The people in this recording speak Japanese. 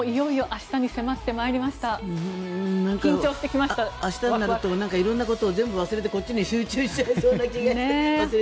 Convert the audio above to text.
明日になると色んなことを全部忘れてこっちに集中しちゃいそうな気がして。